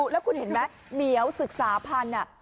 แล้วคุณเห็นไหมเหมียวศึกษาพันธุ์